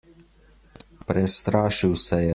Prestrašil se je.